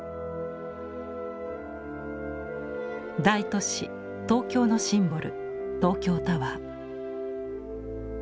大都市東京のシンボル東京タワー。